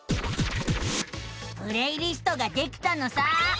プレイリストができたのさあ。